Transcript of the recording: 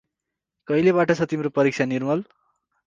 कहिले बाट छ तिम्रो परीक्षा निर्मल?